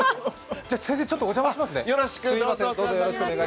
ちょっとお邪魔しますね。